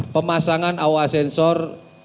pemasangan aoa sensor